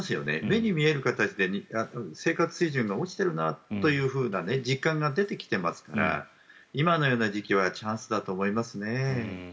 目に見える形で生活水準が落ちているなと実感が出てきていますから今のような時期はチャンスだと思いますね。